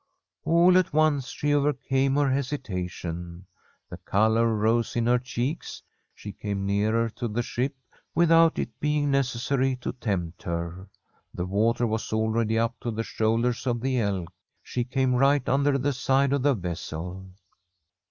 All at once she overcame her hesitation. The colour rose in her cheeks. She came nearer to the ship without it being necessary to tempt her. The water was already up to the shoulders of the elk. She came right under the side of the vessel.